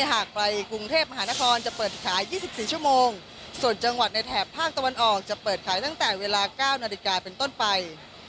หากไปกรุงเทพมหานครจะเปิดขาย๒๔ชั่วโมงส่วนจังหวัดในแถบภาคตะวันออกจะเปิดขายตั้งแต่เวลา๙นาฬิกาเป็นต้นไป